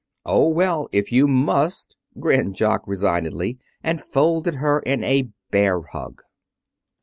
"Oh, well, if you must," grinned Jock resignedly, and folded her in a bear hug.